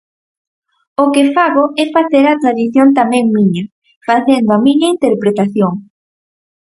O que fago é facer a tradición tamén miña, facendo a miña interpretación.